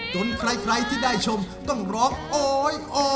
ใครที่ได้ชมต้องร้องโอ๊ยโอ